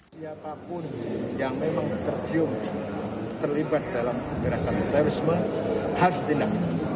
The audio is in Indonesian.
siapapun yang memang tercium terlibat dalam gerakan terorisme harus ditindak